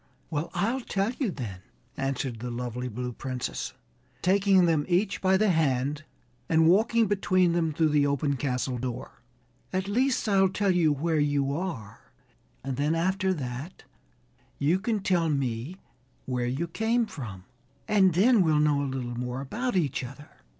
"Well, I'll tell you then," answered the lovely blue Princess, taking them each by the hand and walking between them through the open castle door; "at least, I'll tell you where you are and then after that you can tell me where you came from, and then we'll know a little more about each other."